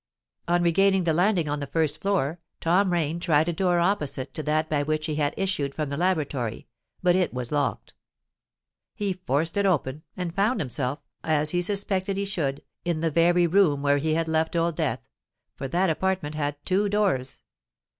On regaining the landing on the first floor, Tom Rain tried a door opposite to that by which he had issued from the laboratory; but it was locked. He forced it open, and found himself, as he suspected he should, in the very room where he had left Old Death; for that apartment had two doors.